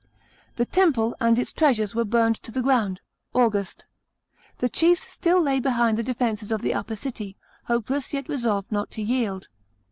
The Temple and its treasures were burned to the ground (August). The chiefs still lay behind the defences of the upper city, hopeless, yet resolved not to yield.